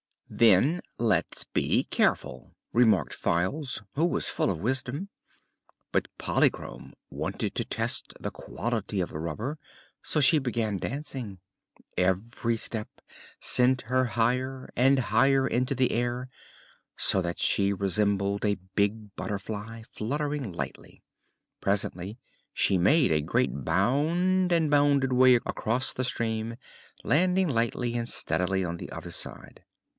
"Then let's be careful," remarked Files, who was full of wisdom; but Polychrome wanted to test the quality of the rubber, so she began dancing. Every step sent her higher and higher into the air, so that she resembled a big butterfly fluttering lightly. Presently she made a great bound and bounded way across the stream, landing lightly and steadily on the other side.